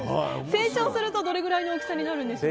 成長するとどれくらいの大きさになるんですか？